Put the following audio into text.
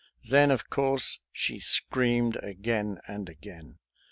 Then of course she screamed again and again.